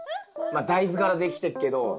まあ大豆からできてっけど。